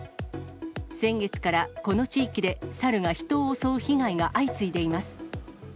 先月からこの地域で、猿が人を襲う被害が相次いでいます。